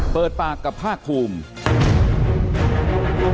เปิดปากกับภาคภูมิ